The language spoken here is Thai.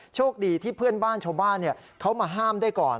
โชคดีที่เพื่อนบ้านชาวบ้านเขามาห้ามได้ก่อน